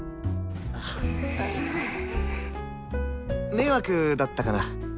迷惑だったかな？